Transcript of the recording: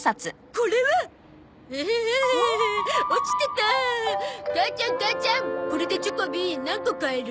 これでチョコビ何個買える？